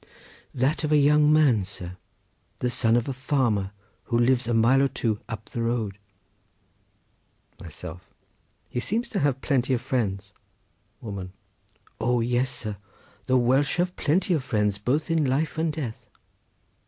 "That of a young man, sir, the son of a farmer, who lives a mile or so up the road." Myself.—He seems to have plenty of friends. Woman.—O yes, sir, the Welsh have plenty of friends both in life and death.